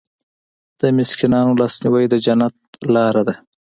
د مسکینانو لاسنیوی د جنت لاره ده.